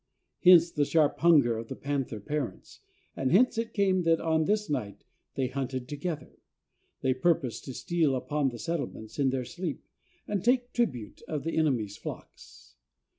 Hence the sharp hunger of the panther parents, and hence it came that on this night they hunted together. They purposed to steal upon the settlements in their sleep, and take tribute of the enemies' flocks.